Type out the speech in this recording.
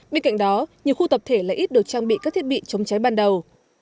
bên cạnh đó nhiều khu tập thể lại ít được trang bị các thiết bị chống cháy ban đầu